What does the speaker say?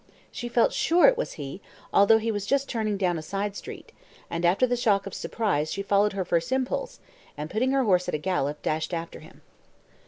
She felt sure it was he, although he was just turning down a side street; and after the shock of surprise she followed her first impulse, and, putting her horse at a gallop, dashed after him.